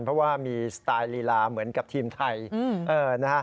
เพราะว่ามีสไตล์ลีลาเหมือนกับทีมไทยนะฮะ